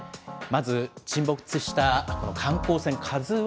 まず、沈没した観光船ＫＡＺＵＩ。